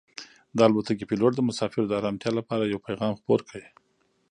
د الوتکې پېلوټ د مسافرو د ارامتیا لپاره یو پیغام خپور کړ.